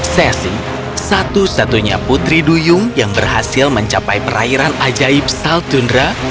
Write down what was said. sesi satu satunya putri duyung yang berhasil mencapai perairan ajaib saltundra